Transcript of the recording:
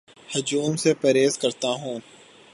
ہجوم سے پرہیز کرتا ہوں